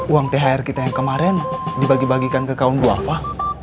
uang thr kita yang kemarin dibagi bagikan ke kaum duafa